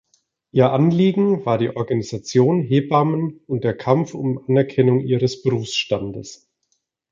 Ihr Anliegen war die Organisation Hebammen und der Kampf um Anerkennung ihres Berufsstandes.